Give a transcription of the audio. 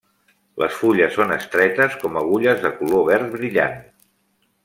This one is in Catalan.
Les fulles són estretes com agulles de color verd brillant.